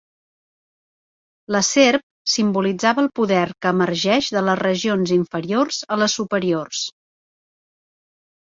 La serp simbolitzava el poder que emergeix de les regions inferiors a les superiors.